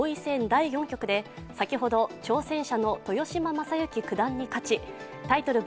第４局で先ほど、挑戦者の豊島将之九段に勝ちタイトル